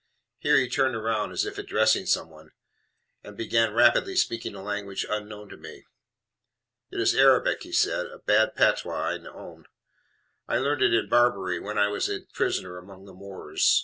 Here he turned round as if he was addressing somebody, and began rapidly speaking a language unknown to me. "It is Arabic," he said; "a bad patois, I own. I learned it in Barbary, when I was a prisoner among the Moors.